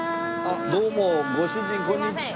どうもご主人こんにちは。